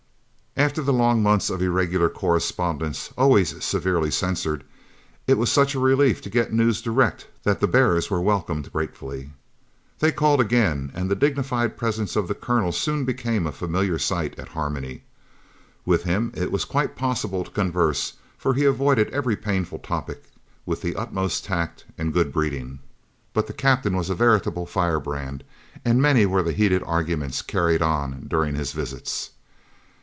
After the long months of irregular correspondence, always severely censored, it was such a relief to get news direct that the bearers were welcomed gratefully. They called again, and the dignified presence of the Colonel soon became a familiar sight at Harmony. With him it was quite possible to converse, for he avoided every painful topic with the utmost tact and good breeding, but the Captain was a veritable firebrand, and many were the heated arguments carried on during his visits.